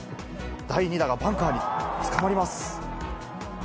第２打がバンカーにつかまります。